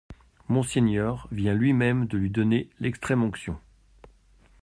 Monseigneur vient lui-même lui donner l'extrême-onction.